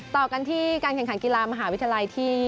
ต่อกันที่การแข่งขันกีฬามหาวิทยาลัยที่